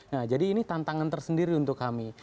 nah jadi ini tantangan tersendiri untuk kami